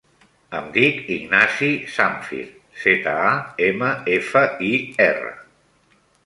Em dic Ignasi Zamfir: zeta, a, ema, efa, i, erra.